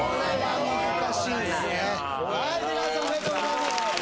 おめでとうございます